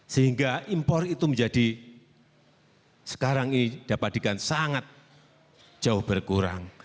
sehingga impor itu menjadi sekarang ini dapat dikatakan sangat jauh berkurang